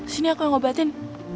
sini aku yang obatin